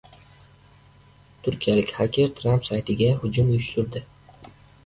Turkiyalik xaker Tramp saytiga hujum uyushtirdi